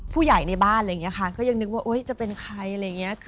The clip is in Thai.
ผู้ใหญ่ในบ้านเลยนี่ค่ะก็ยังนึกว่าจะเป็นใคร